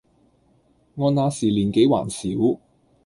我那時年紀還小，